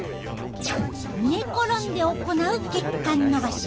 寝転んで行う血管のばし。